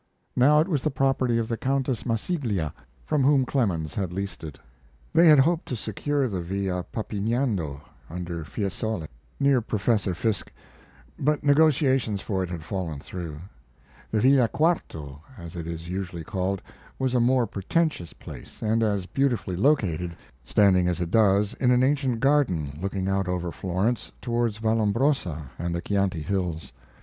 Now it was the property of the Countess Massiglia, from whom Clemens had leased it. They had hoped to secure the Villa Papiniano, under Fiesole, near Professor Fiske, but negotiations for it had fallen through. The Villa Quarto, as it is usually called, was a more pretentious place and as beautifully located, standing as it does in an ancient garden looking out over Florence toward Vallombrosa and the Chianti hills.